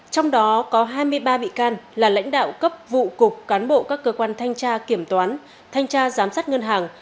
trong đó có hai mươi ba bị can là lãnh đạo cấp vụ cục cán bộ các cơ quan thanh tra kiểm toán thanh tra giám sát ngân hàng